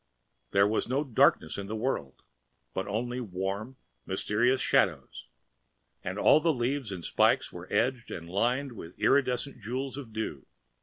There was no darkness in the world, but only warm, mysterious shadows; and all the leaves and spikes were edged and lined with iridescent jewels of dew.